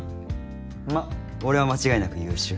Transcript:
まっ俺は間違いなく優秀。